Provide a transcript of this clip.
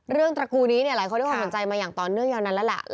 เรื่องตระกูลนี้หลายคนได้ความสนใจมาอย่างตอนเรื่องนั้นแล้วล่ะ